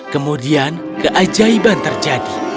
kemudian keajaiban terjadi